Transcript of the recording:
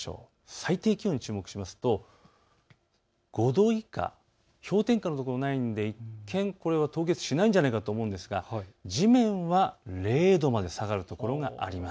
最低気温に注目すると５度以下、氷点下ほどではないので一見、凍結しないんじゃないかと思いますが地面は０度まで下がる所があります。